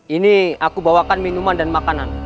ini aku bawakan minuman dan makanan